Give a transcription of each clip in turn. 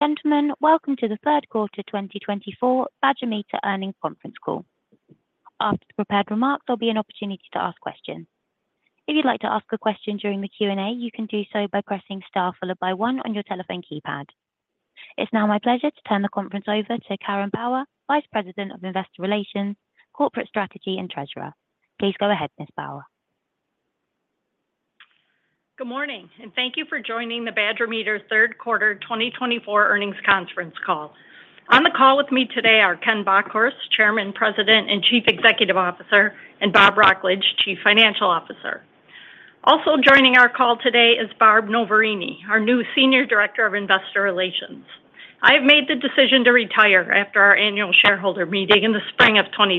Gentlemen, welcome to the Third Quarter 2024 Badger Meter Earnings Conference Call. After the prepared remarks, there'll be an opportunity to ask questions. If you'd like to ask a question during the Q&A, you can do so by pressing Star followed by one on your telephone keypad. It's now my pleasure to turn the conference over to Karen Bauer, Vice President of Investor Relations, Corporate Strategy, and Treasurer. Please go ahead, Ms. Bauer. Good morning, and thank you for joining the Badger Meter third quarter twenty twenty-four earnings conference call. On the call with me today are Ken Bockhorst, Chairman, President, and Chief Executive Officer, and Bob Wrocklage, Chief Financial Officer. Also joining our call today is Barb Novarini, our new Senior Director of Investor Relations. I have made the decision to retire after our annual shareholder meeting in the spring of twenty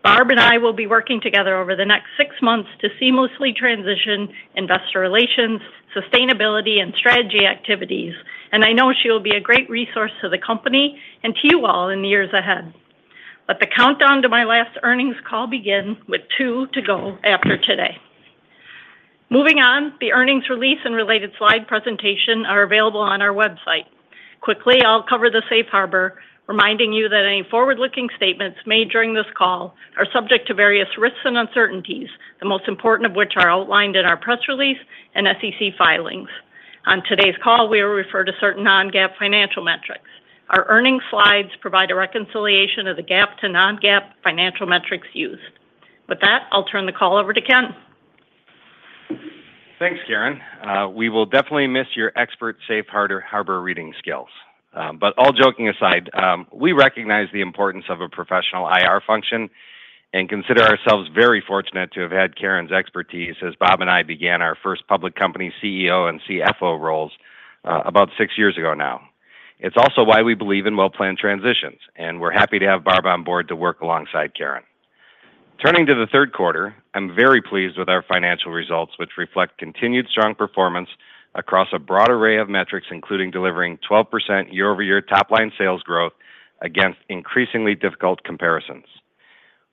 twenty-five. Barb and I will be working together over the next six months to seamlessly transition investor relations, sustainability, and strategy activities, and I know she will be a great resource to the company and to you all in the years ahead. Let the countdown to my last earnings call begin with two to go after today. Moving on, the earnings release and related slide presentation are available on our website. Quickly, I'll cover the Safe Harbor, reminding you that any forward-looking statements made during this call are subject to various risks and uncertainties, the most important of which are outlined in our press release and SEC filings. On today's call, we refer to certain non-GAAP financial metrics. Our earnings slides provide a reconciliation of the GAAP to non-GAAP financial metrics used. With that, I'll turn the call over to Ken. Thanks, Karen. We will definitely miss your expert safe harbor reading skills, but all joking aside, we recognize the importance of a professional IR function and consider ourselves very fortunate to have had Karen's expertise as Bob and I began our first public company CEO and CFO roles, about six years ago now. It's also why we believe in well-planned transitions, and we're happy to have Barb on board to work alongside Karen. Turning to the third quarter, I'm very pleased with our financial results, which reflect continued strong performance across a broad array of metrics, including delivering 12% year-over-year top-line sales growth against increasingly difficult comparisons.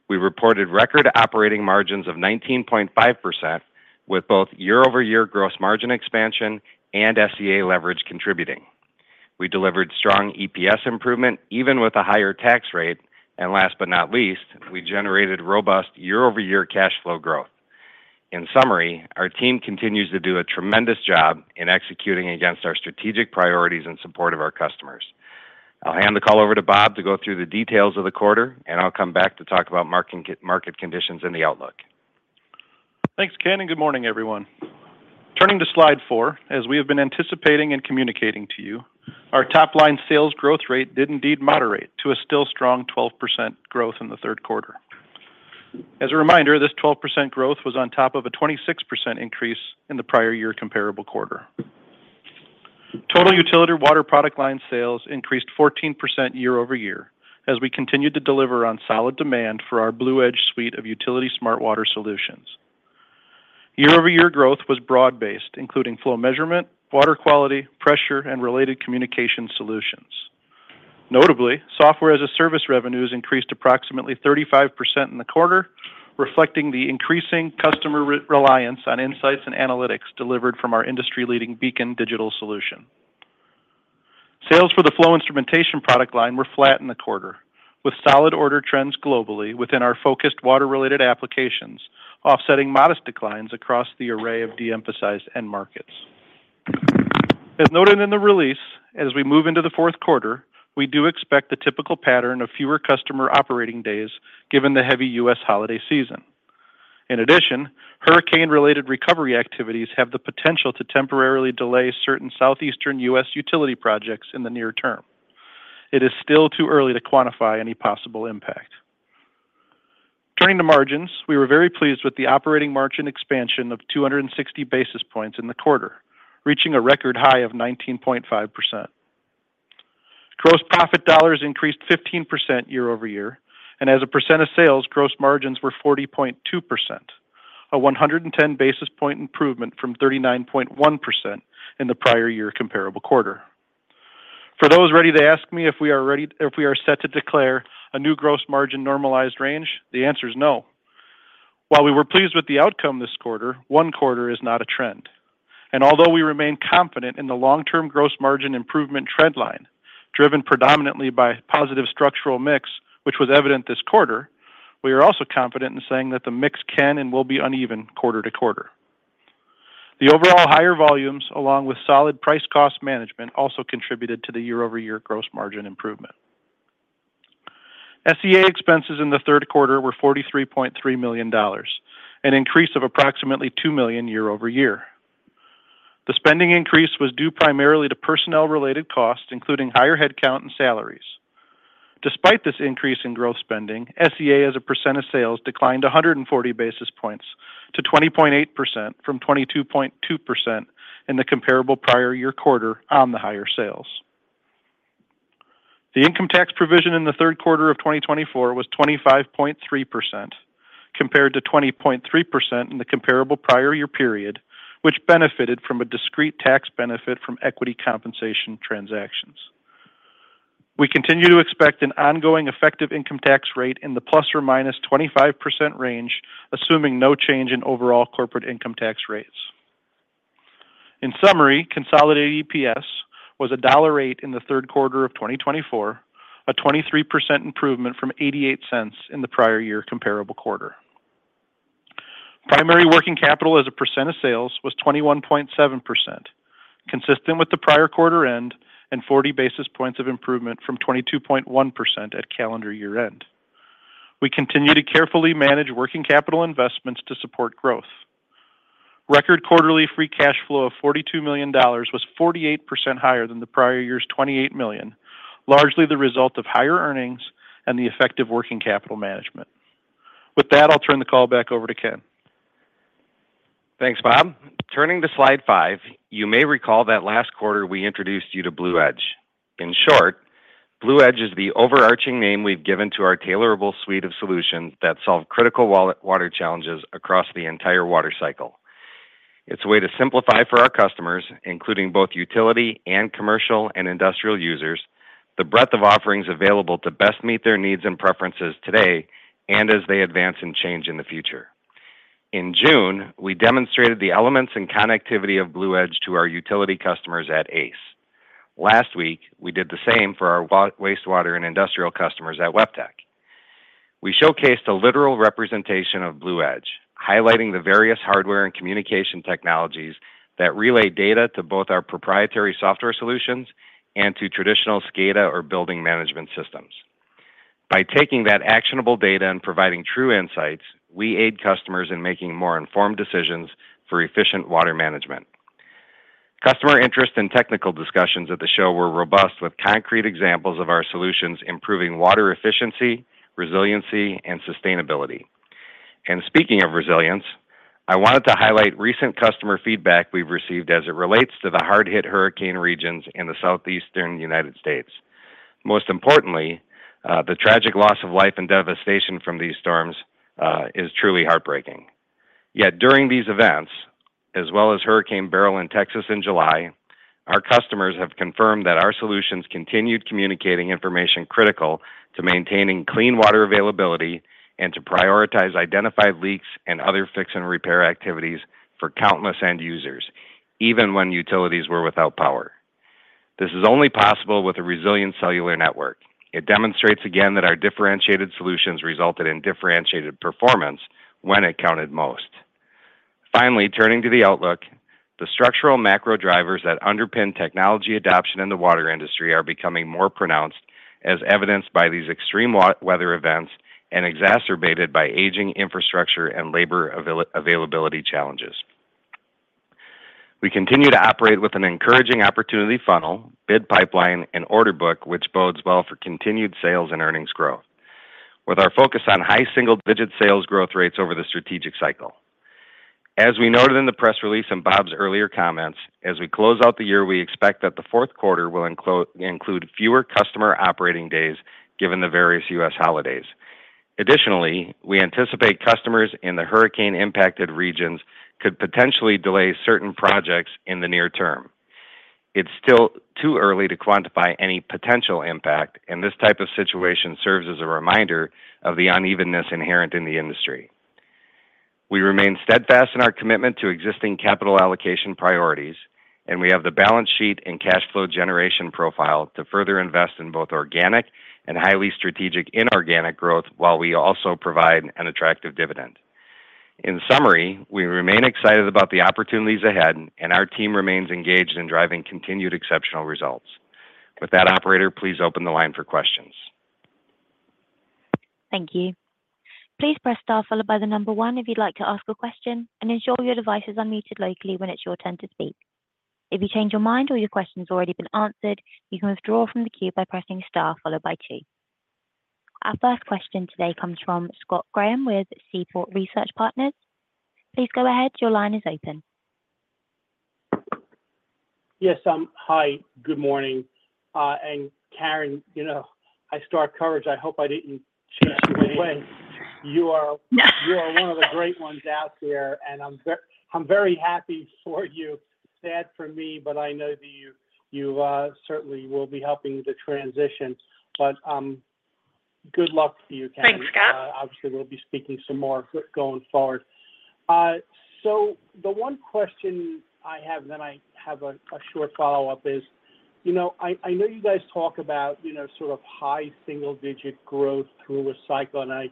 We reported record operating margins of 19.5%, with both year-over-year gross margin expansion and SG&A leverage contributing. We delivered strong EPS improvement, even with a higher tax rate, and last but not least, we generated robust year-over-year cash flow growth. In summary, our team continues to do a tremendous job in executing against our strategic priorities in support of our customers. I'll hand the call over to Bob to go through the details of the quarter, and I'll come back to talk about market, market conditions and the outlook. Thanks, Ken, and good morning, everyone. Turning to slide four, as we have been anticipating and communicating to you, our top-line sales growth rate did indeed moderate to a still strong 12% growth in the third quarter. As a reminder, this 12% growth was on top of a 26% increase in the prior year comparable quarter. Total utility water product line sales increased 14% year over year, as we continued to deliver on solid demand for our Blue Edge suite of utility Smart Water solutions. Year-over-year growth was broad-based, including flow measurement, water quality, pressure, and related communication solutions. Notably, software-as-a-service revenues increased approximately 35% in the quarter, reflecting the increasing customer re-reliance on insights and analytics delivered from our industry-leading BEACON digital solution. Sales for the flow instrumentation product line were flat in the quarter, with solid order trends globally within our focused water-related applications, offsetting modest declines across the array of de-emphasized end markets. As noted in the release, as we move into the fourth quarter, we do expect the typical pattern of fewer customer operating days given the heavy U.S. holiday season. In addition, hurricane-related recovery activities have the potential to temporarily delay certain southeastern U.S. utility projects in the near term. It is still too early to quantify any possible impact. Turning to margins, we were very pleased with the operating margin expansion of two hundred and sixty basis points in the quarter, reaching a record high of 19.5%. Gross profit dollars increased 15% year over year, and as a percent of sales, gross margins were 40.2%, a 110 basis point improvement from 39.1% in the prior year comparable quarter. For those ready to ask me if we are set to declare a new gross margin normalized range, the answer is no. While we were pleased with the outcome this quarter, one quarter is not a trend, and although we remain confident in the long-term gross margin improvement trend line, driven predominantly by positive structural mix, which was evident this quarter, we are also confident in saying that the mix can and will be uneven quarter to quarter. The overall higher volumes, along with solid price cost management, also contributed to the year-over-year gross margin improvement. SG&A expenses in the third quarter were $43.3 million, an increase of approximately $2 million year over year. The spending increase was due primarily to personnel-related costs, including higher headcount and salaries. Despite this increase in growth spending, SG&A, as a percent of sales, declined 140 basis points to 20.8% from 22.2% in the comparable prior year quarter on the higher sales. The income tax provision in the third quarter of 2024 was 25.3%, compared to 20.3% in the comparable prior year period, which benefited from a discrete tax benefit from equity compensation transactions. We continue to expect an ongoing effective income tax rate in the plus or minus 25% range, assuming no change in overall corporate income tax rates. In summary, consolidated EPS was $1.08 in the third quarter of 2024, a 23% improvement from $0.88 in the prior year comparable quarter. Primary working capital as a percent of sales was 21.7%, consistent with the prior quarter end and 40 basis points of improvement from 22.1% at calendar year end. We continue to carefully manage working capital investments to support growth. Record quarterly free cash flow of $42 million was 48% higher than the prior year's $28 million, largely the result of higher earnings and the effective working capital management. With that, I'll turn the call back over to Ken. Thanks, Bob. Turning to slide five, you may recall that last quarter we introduced you to Blue Edge. In short, Blue Edge is the overarching name we've given to our tailorable suite of solutions that solve critical water challenges across the entire water cycle. It's a way to simplify for our customers, including both utility and commercial and industrial users, the breadth of offerings available to best meet their needs and preferences today and as they advance and change in the future. In June, we demonstrated the elements and connectivity of Blue Edge to our utility customers at ACE. Last week, we did the same for our wastewater and industrial customers at WEFTEC. We showcased a literal representation of Blue Edge, highlighting the various hardware and communication technologies that relay data to both our proprietary software solutions and to traditional SCADA or building management systems. By taking that actionable data and providing true insights, we aid customers in making more informed decisions for efficient water management. Customer interest and technical discussions at the show were robust, with concrete examples of our solutions, improving water efficiency, resiliency, and sustainability. And speaking of resilience, I wanted to highlight recent customer feedback we've received as it relates to the hard-hit hurricane regions in the Southeastern United States. Most importantly, the tragic loss of life and devastation from these storms is truly heartbreaking. Yet during these events, as well as Hurricane Beryl in Texas in July, our customers have confirmed that our solutions continued communicating information critical to maintaining clean water availability and to prioritize identified leaks and other fix and repair activities for countless end users, even when utilities were without power. This is only possible with a resilient cellular network. It demonstrates again that our differentiated solutions resulted in differentiated performance when it counted most. Finally, turning to the outlook, the structural macro drivers that underpin technology adoption in the water industry are becoming more pronounced, as evidenced by these extreme weather events and exacerbated by aging infrastructure and labor availability challenges. We continue to operate with an encouraging opportunity funnel, bid pipeline, and order book, which bodes well for continued sales and earnings growth, with our focus on high single-digit sales growth rates over the strategic cycle. As we noted in the press release and Bob's earlier comments, as we close out the year, we expect that the fourth quarter will include fewer customer operating days, given the various U.S. holidays. Additionally, we anticipate customers in the hurricane-impacted regions could potentially delay certain projects in the near term. It's still too early to quantify any potential impact, and this type of situation serves as a reminder of the unevenness inherent in the industry. We remain steadfast in our commitment to existing capital allocation priorities, and we have the balance sheet and cash flow generation profile to further invest in both organic and highly strategic inorganic growth, while we also provide an attractive dividend. In summary, we remain excited about the opportunities ahead, and our team remains engaged in driving continued exceptional results. With that, operator, please open the line for questions. Thank you. Please press star followed by the number one if you'd like to ask a question, and ensure your device is unmuted locally when it's your turn to speak. If you change your mind or your question's already been answered, you can withdraw from the queue by pressing star followed by two. Our first question today comes from Scott Graham with Seaport Research Partners. Please go ahead. Your line is open. Yes, hi, good morning. And Karen, you know, I start coverage. I hope I didn't. You are one of the great ones out there, and I'm very happy for you. Sad for me, but I know that you certainly will be helping the transition. But, good luck to you, Karen. Thanks, Scott. Obviously, we'll be speaking some more going forward. So the one question I have, then I have a short follow-up, is, you know, I know you guys talk about, you know, sort of high single-digit growth through a cycle, and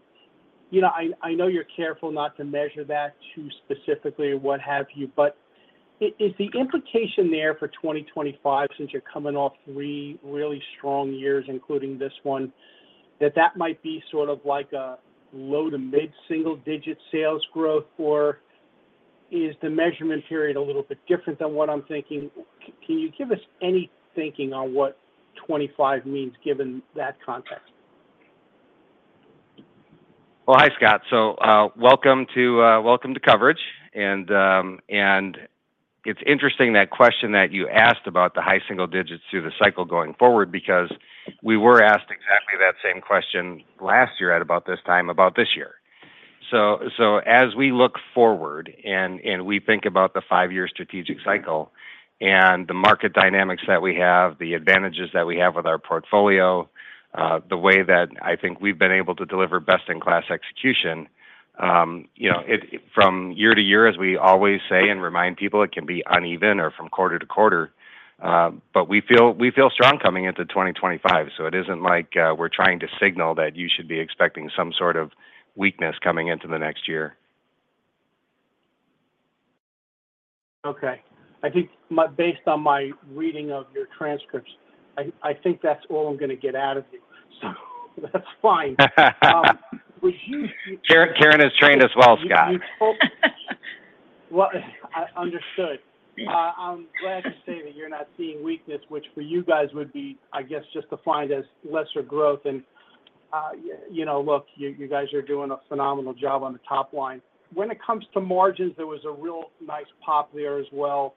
you know, I know you're careful not to measure that too specifically or what have you, but is the implication there for 2025, since you're coming off three really strong years, including this one, that that might be sort of like a low- to mid-single-digit sales growth? Or is the measurement period a little bit different than what I'm thinking? Can you give us any thinking on what 2025 means given that context? Hi, Scott. Welcome to coverage. It's interesting that question that you asked about the high single digits through the cycle going forward, because we were asked exactly that same question last year at about this time about this year. As we look forward and we think about the five-year strategic cycle and the market dynamics that we have, the advantages that we have with our portfolio, the way that I think we've been able to deliver best-in-class execution, you know, from year to year, as we always say and remind people, it can be uneven or from quarter to quarter. But we feel strong coming into twenty twenty-five, so it isn't like we're trying to signal that you should be expecting some sort of weakness coming into the next year. Okay. I think based on my reading of your transcripts, I think that's all I'm gonna get out of you, so that's fine. Karen, Karen has trained us well, Scott. Understood. I'm glad to say that you're not seeing weakness, which for you guys would be, I guess, just defined as lesser growth. And you know, look, you guys are doing a phenomenal job on the top line. When it comes to margins, there was a real nice pop there as well,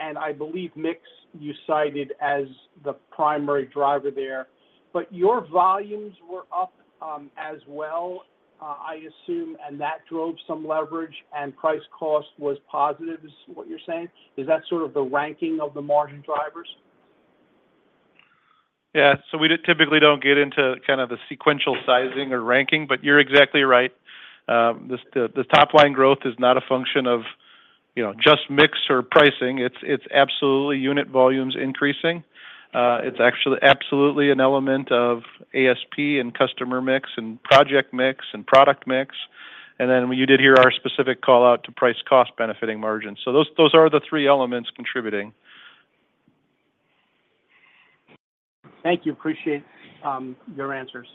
and I believe mix, you cited as the primary driver there. But your volumes were up as well, I assume, and that drove some leverage, and price cost was positive, is what you're saying? Is that sort of the ranking of the margin drivers? Yeah. So we typically don't get into kind of the sequential sizing or ranking, but you're exactly right. The top-line growth is not a function of, you know, just mix or pricing. It's, it's absolutely unit volumes increasing. It's actually absolutely an element of ASP, and customer mix, and project mix, and product mix. And then you did hear our specific call-out to price cost benefiting margins. So those, those are the three elements contributing. Thank you. Appreciate, your answers.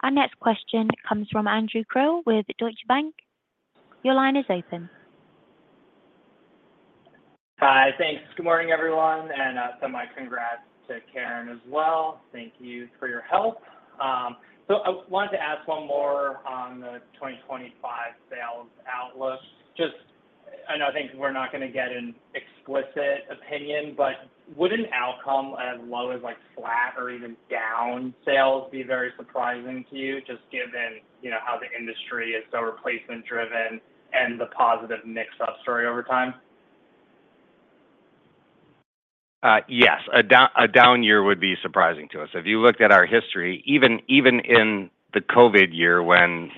Our next question comes from Andrew Krill with Deutsche Bank. Your line is open. Hi. Thanks. Good morning, everyone, and so my congrats to Karen as well. Thank you for your help. So I wanted to ask one more on the twenty twenty-five sales outlook. Just, I know, I think we're not going to get an explicit opinion, but would an outcome as low as, like, flat or even down sales be very surprising to you, just given, you know, how the industry is so replacement driven and the positive mix up story over time? Yes, a down year would be surprising to us. If you looked at our history, even in the COVID year when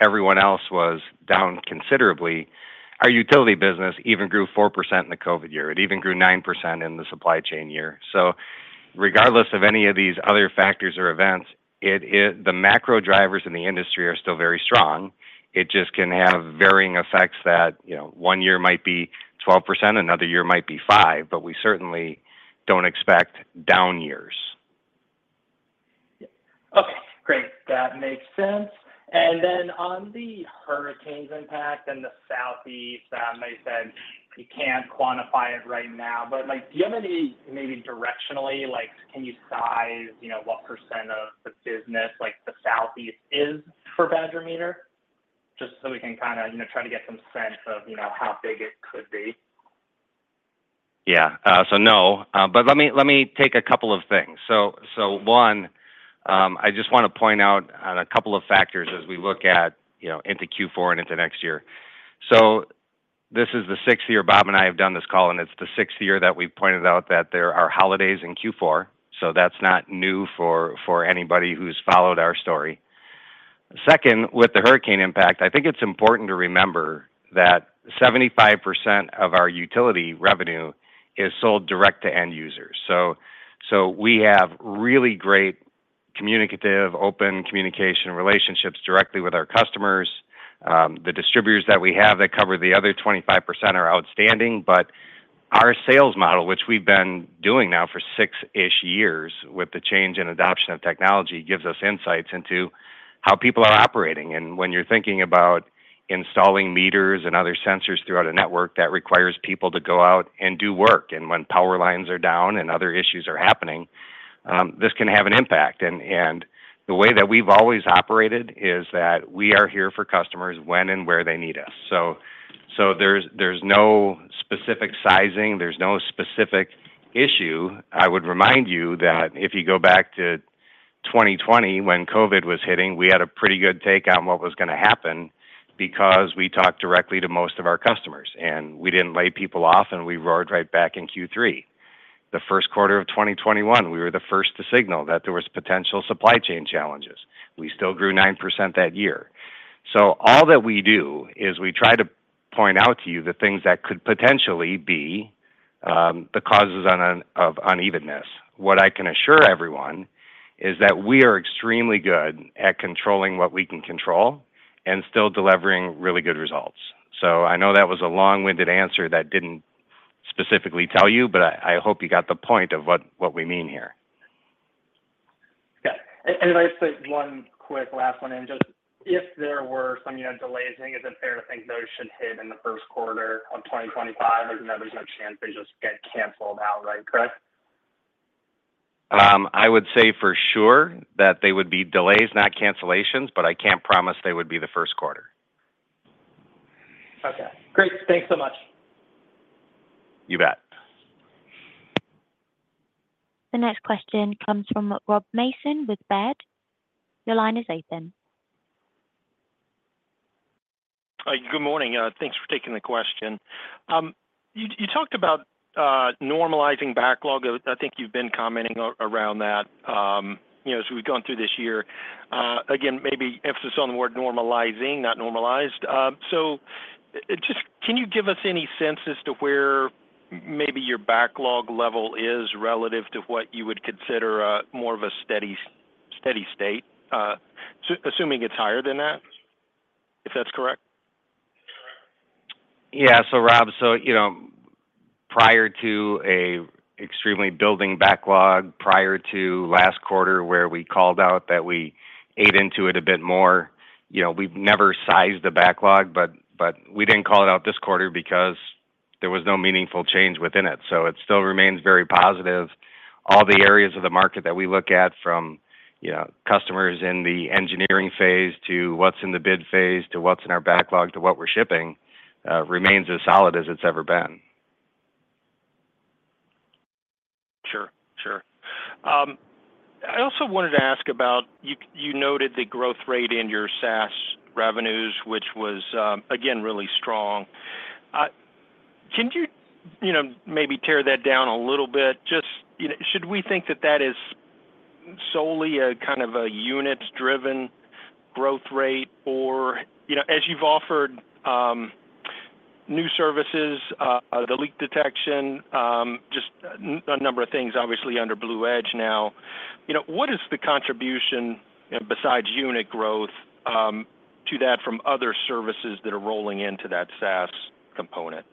everyone else was down considerably, our utility business even grew 4% in the COVID year. It even grew 9% in the supply chain year. So regardless of any of these other factors or events, the macro drivers in the industry are still very strong. It just can have varying effects that, you know, one year might be 12%, another year might be 5%, but we certainly don't expect down years. Okay, great. That makes sense. And then on the hurricanes impact and the Southeast, you said you can't quantify it right now, but, like, do you have any, maybe directionally, like, can you size, you know, what % of the business, like, the Southeast is for Badger Meter? Just so we can kinda, you know, try to get some sense of, you know, how big it could be. Yeah. So no, but let me take a couple of things. So, one, I just want to point out on a couple of factors as we look at, you know, into Q4 and into next year. So this is the sixth year Bob and I have done this call, and it's the sixth year that we've pointed out that there are holidays in Q4, so that's not new for anybody who's followed our story. Second, with the hurricane impact, I think it's important to remember that 75% of our utility revenue is sold direct to end users. So we have really great communicative, open communication relationships directly with our customers. The distributors that we have that cover the other 25% are outstanding, but our sales model, which we've been doing now for six-ish years with the change in adoption of technology, gives us insights into how people are operating. When you're thinking about installing meters and other sensors throughout a network, that requires people to go out and do work. When power lines are down and other issues are happening, this can have an impact. The way that we've always operated is that we are here for customers when and where they need us. There's no specific sizing, there's no specific issue. I would remind you that if you go back to twenty twenty, when COVID was hitting, we had a pretty good take on what was gonna happen because we talked directly to most of our customers, and we didn't lay people off, and we roared right back in Q3. The first quarter of twenty twenty-one, we were the first to signal that there was potential supply chain challenges. We still grew 9% that year. So all that we do is we try to point out to you the things that could potentially be the causes of unevenness. What I can assure everyone is that we are extremely good at controlling what we can control and still delivering really good results. So I know that was a long-winded answer that didn't specifically tell you, but I hope you got the point of what we mean here. Okay. And if I could fit one quick last one in. Just if there were some, you know, delays, is it fair to think those should hit in the first quarter of twenty twenty-five? Or, you know, there's no chance they just get canceled outright, correct? I would say for sure that they would be delays, not cancellations, but I can't promise they would be the first quarter. Okay, great. Thanks so much. You bet. The next question comes from Rob Mason with Baird. Your line is open. Hi, good morning. Thanks for taking the question. You talked about normalizing backlog. I think you've been commenting around that, you know, as we've gone through this year. Again, maybe emphasis on the word normalizing, not normalized. So just can you give us any sense as to where maybe your backlog level is relative to what you would consider more of a steady state? Assuming it's higher than that, if that's correct. Yeah. So Rob, so, you know, prior to a extremely building backlog, prior to last quarter, where we called out that we ate into it a bit more, you know, we've never sized the backlog, but we didn't call it out this quarter because there was no meaningful change within it. So it still remains very positive. All the areas of the market that we look at from, you know, customers in the engineering phase, to what's in the bid phase, to what's in our backlog, to what we're shipping, remains as solid as it's ever been. Sure, sure. I also wanted to ask about, you noted the growth rate in your SaaS revenues, which was, again, really strong. Can you, you know, maybe tear that down a little bit? Just, you know, should we think that that is solely a kind of a unit-driven growth rate? Or, you know, as you've offered, new services, the leak detection, just a number of things obviously under Blue Edge now, you know, what is the contribution, you know, besides unit growth, to that from other services that are rolling into that SaaS component?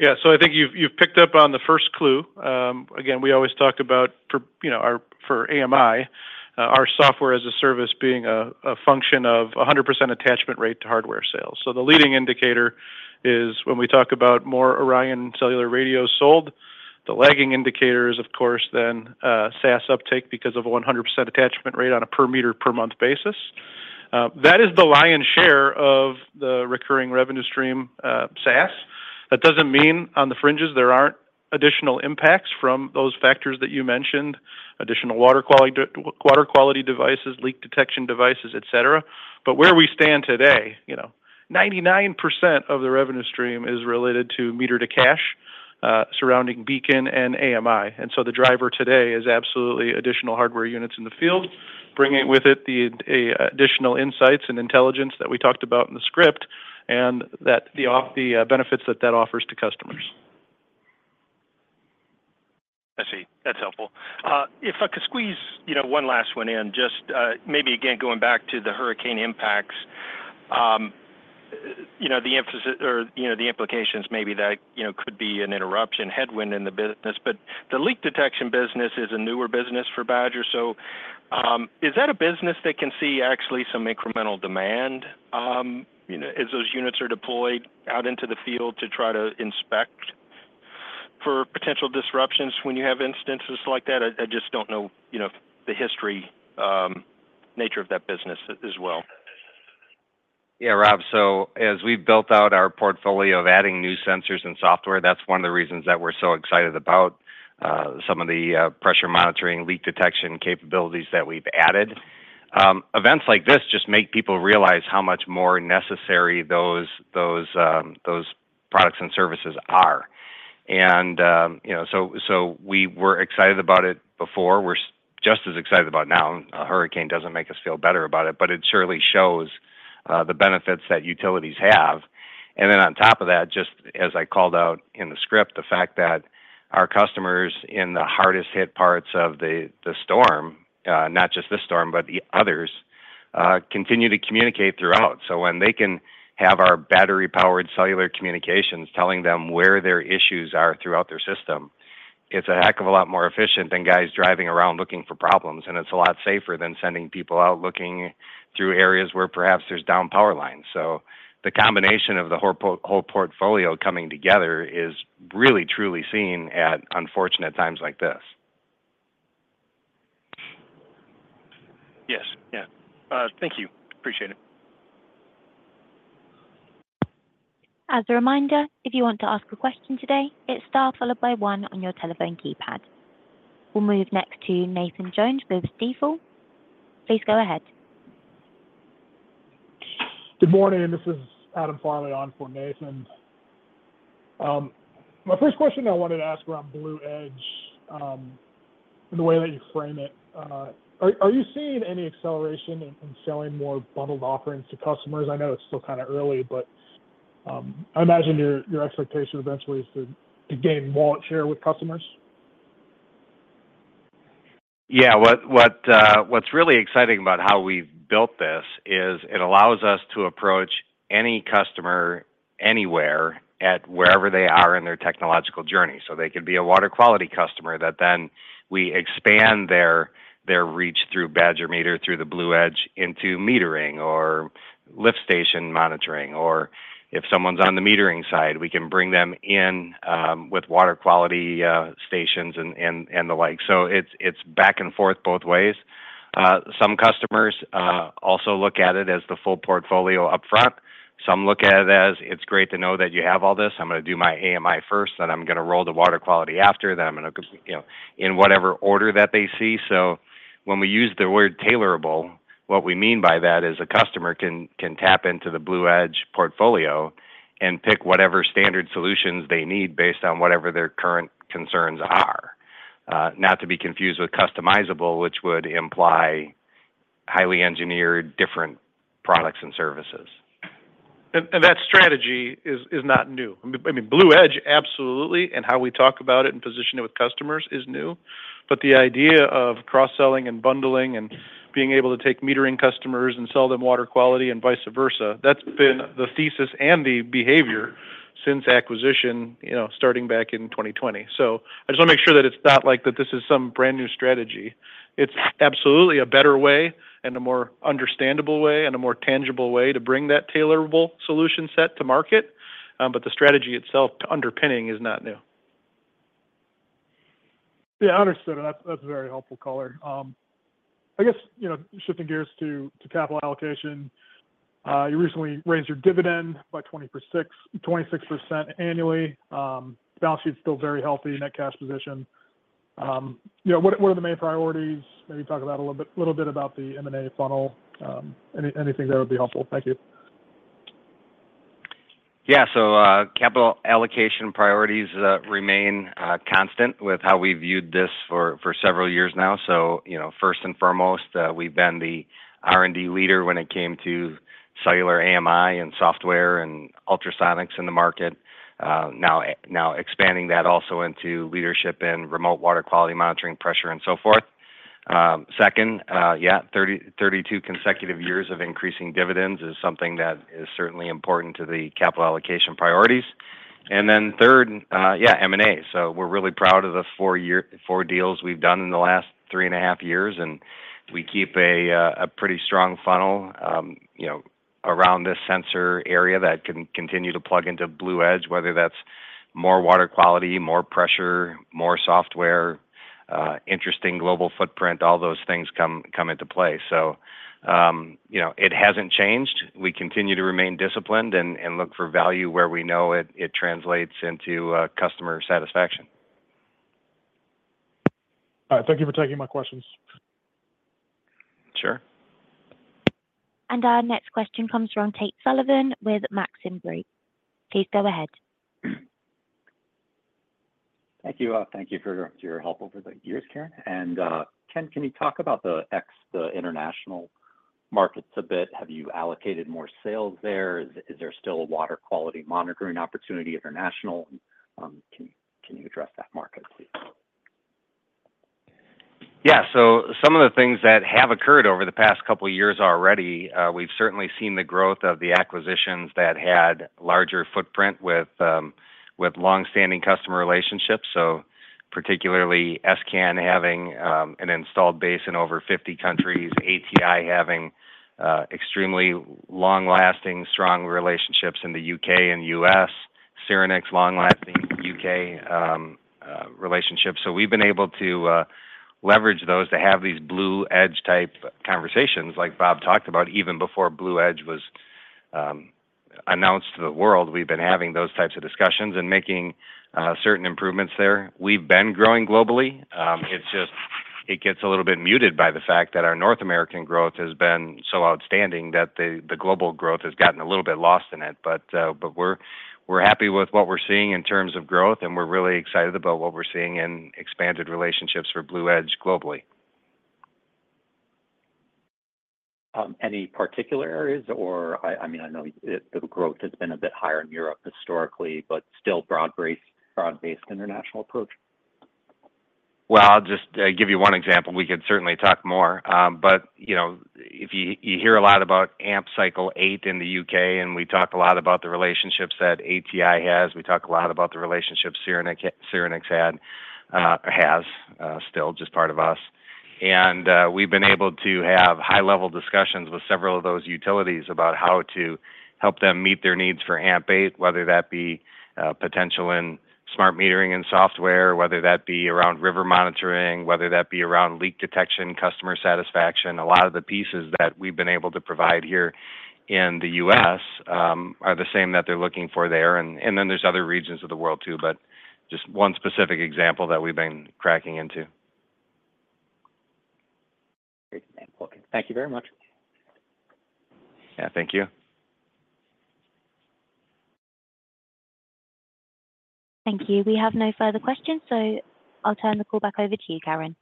Yeah. So I think you've picked up on the first clue. Again, we always talk about, you know, our AMI, our software as a service being a function of 100% attachment rate to hardware sales. So the leading indicator is when we talk about more ORION cellular radios sold, the lagging indicator is, of course, then SaaS uptake because of a 100% attachment rate on a per-meter, per-month basis. That is the lion's share of the recurring revenue stream, SaaS. That doesn't mean on the fringes there aren't additional impacts from those factors that you mentioned, additional water quality devices, leak detection devices, et cetera. But where we stand today, you know, 99% of the revenue stream is related to meter to cash surrounding Beacon and AMI. And so the driver today is absolutely additional hardware units in the field, bringing with it the additional insights and intelligence that we talked about in the script, and that the benefits that that offers to customers. I see. That's helpful. If I could squeeze, you know, one last one in, just, maybe again, going back to the hurricane impacts. You know, the emphasis or, you know, the implications maybe that, you know, could be an interruption headwind in the business, but the leak detection business is a newer business for Badger. So, is that a business that can see actually some incremental demand, you know, as those units are deployed out into the field to try to inspect for potential disruptions when you have instances like that? I just don't know, you know, the history, nature of that business as well. Yeah, Rob. So as we've built out our portfolio of adding new sensors and software, that's one of the reasons that we're so excited about some of the pressure monitoring, leak detection capabilities that we've added. Events like this just make people realize how much more necessary those products and services are. And you know, so we were excited about it before. We're just as excited about it now. A hurricane doesn't make us feel better about it, but it surely shows the benefits that utilities have. And then on top of that, just as I called out in the script, the fact that our customers in the hardest-hit parts of the storm, not just this storm, but the others, continue to communicate throughout. So when they can have our battery-powered cellular communications telling them where their issues are throughout their system, it's a heck of a lot more efficient than guys driving around looking for problems, and it's a lot safer than sending people out looking through areas where perhaps there's down power lines. So the combination of the whole portfolio coming together is really truly seen at unfortunate times like this. Yes. Yeah. Thank you. Appreciate it. As a reminder, if you want to ask a question today, it's star followed by one on your telephone keypad. We'll move next to Nathan Jones with Stifel. Please go ahead. Good morning, this is Adam Farley on for Nathan. My first question I wanted to ask around Blue Edge, and the way that you frame it. Are you seeing any acceleration in selling more bundled offerings to customers? I know it's still kind of early, but I imagine your expectation eventually is to gain wallet share with customers. Yeah. What's really exciting about how we've built this is it allows us to approach any customer anywhere at wherever they are in their technological journey. So they could be a water quality customer that then we expand their reach through Badger Meter, through the Blue Edge, into metering or lift station monitoring. Or if someone's on the metering side, we can bring them in with water quality stations and the like. So it's back and forth both ways. Some customers also look at it as the full portfolio upfront. Some look at it as, it's great to know that you have all this. I'm gonna do my AMI first, then I'm gonna roll the water quality after, then I'm gonna, you know, in whatever order that they see. When we use the word tailorable, what we mean by that is a customer can tap into the Blue Edge portfolio and pick whatever standard solutions they need based on whatever their current concerns are. Not to be confused with customizable, which would imply highly engineered, different products and services. That strategy is not new. I mean, Blue Edge, absolutely, and how we talk about it and position it with customers is new. But the idea of cross-selling and bundling and being able to take metering customers and sell them water quality and vice versa, that's been the thesis and the behavior since acquisition, you know, starting back in 2020. So I just wanna make sure that it's not like that this is some brand-new strategy. It's absolutely a better way and a more understandable way and a more tangible way to bring that tailorable solution set to market. But the strategy itself, the underpinning is not new. Yeah, understood, and that's a very helpful color. I guess, you know, shifting gears to capital allocation, you recently raised your dividend by 26% annually. Balance sheet is still very healthy, net cash position. You know, what are the main priorities? Maybe talk about a little bit about the M&A funnel, anything that would be helpful. Thank you. Yeah, so, capital allocation priorities remain constant with how we viewed this for several years now. So, you know, first and foremost, we've been the R&D leader when it came to cellular AMI and software and ultrasonics in the market. Now expanding that also into leadership in remote water quality monitoring, pressure, and so forth. Second, yeah, thirty-two consecutive years of increasing dividends is something that is certainly important to the capital allocation priorities. And then third, yeah, M&A. So we're really proud of the four deals we've done in the last three and a half years, and we keep a pretty strong funnel, you know, around this sensor area that can continue to plug into Blue Edge, whether that's more water quality, more pressure, more software, interesting global footprint, all those things come into play. So, you know, it hasn't changed. We continue to remain disciplined and look for value where we know it translates into customer satisfaction. All right. Thank you for taking my questions. Sure. Our next question comes from Tate Sullivan with Maxim Group. Please go ahead. Thank you. Thank you for your help over the years, Karen. Ken, can you talk about the international markets a bit? Have you allocated more sales there? Is there still a water quality monitoring opportunity international? Can you address that market, please? Yeah. So some of the things that have occurred over the past couple of years already, we've certainly seen the growth of the acquisitions that had larger footprint with, with long-standing customer relationships. So particularly, s::can having, an installed base in over fifty countries, ATI having, extremely long-lasting, strong relationships in the U.K. and U.S., Syrinix long-lasting U.K., relationship. So we've been able to, leverage those to have these Blue Edge-type conversations like Bob talked about, even before Blue Edge was, announced to the world. We've been having those types of discussions and making, certain improvements there. We've been growing globally. It's just, it gets a little bit muted by the fact that our North American growth has been so outstanding that the, the global growth has gotten a little bit lost in it. We're happy with what we're seeing in terms of growth, and we're really excited about what we're seeing in expanded relationships for Blue Edge globally. Any particular areas or... I mean, I know the growth has been a bit higher in Europe historically, but still broad-based international approach. I'll just give you one example. We could certainly talk more, but you know, if you hear a lot about AMP Cycle 8 in the U.K., and we talk a lot about the relationships that ATI has. We talk a lot about the relationships Syrinix had, has, still just part of us. We've been able to have high-level discussions with several of those utilities about how to help them meet their needs for AMP8, whether that be potential in smart metering and software, whether that be around river monitoring, whether that be around leak detection, customer satisfaction. A lot of the pieces that we've been able to provide here in the U.S. are the same that they're looking for there. Then there's other regions of the world, too, but just one specific example that we've been cracking into. Great example. Thank you very much. Yeah, thank you. Thank you. We have no further questions, so I'll turn the call back over to you, Karen.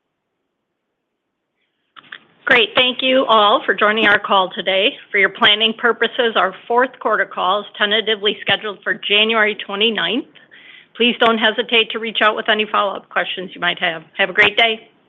Great. Thank you all for joining our call today. For your planning purposes, our fourth quarter call is tentatively scheduled for January twenty-ninth. Please don't hesitate to reach out with any follow-up questions you might have. Have a great day.